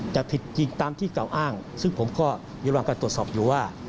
จะผิดจริงตามที่เก่าอ้างซึ่งผมก็อยู่ระหว่างการตรวจสอบอยู่ว่า